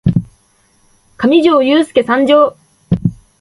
かみじょーゆーすーけ参上！